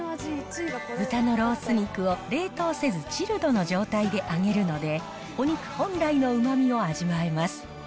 豚のロース肉を冷凍せず、チルドの状態で揚げるので、お肉本来のうまみを味わえます。